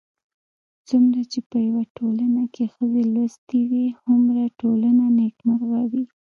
څومره چې په يوه ټولنه کې ښځې لوستې وي، هومره ټولنه نېکمرغه وي